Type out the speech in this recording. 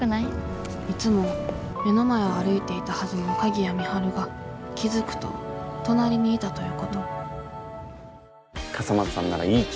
いつも目の前を歩いていたはずの鍵谷美晴が気付くと隣にいたということ笠松さんならいいチームにしていけると期待しています。